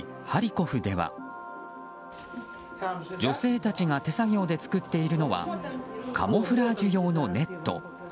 ハリコフでは女性たちが手作業で作っているのはカムフラージュ用のネット。